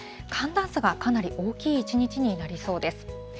寒暖差がかなり大きい一日になりそうです。